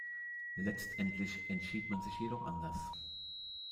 Letztendlich entschied man sich jedoch anders.